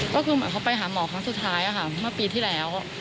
ก็คือเขาไปหาหมอครั้งสุดท้ายค่ะมาปีที่แล้ว